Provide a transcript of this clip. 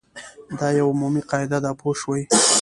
دا یوه عمومي قاعده ده پوه شوې!.